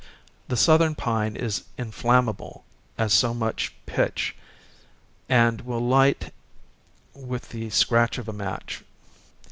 The southern pine is inflammable as so much pitch, and will almost light with the scratch of a match.